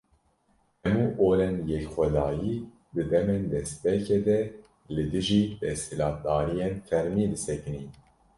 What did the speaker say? Hemû olên yekxwedayî, di demên destpêkê de li dijî desthilatdariyên fermî disekinîn.